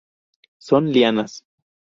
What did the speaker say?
Son lianas.